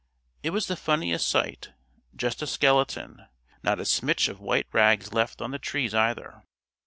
It was the funniest sight just a skeleton. Not a smitch of white rags left on the trees, either.